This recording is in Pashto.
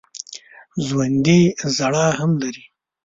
ژوندي ژړا هم لري